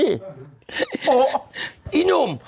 โอ้โหอีหนุ่ม